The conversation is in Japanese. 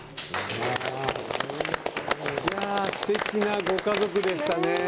すてきなご家族でしたね。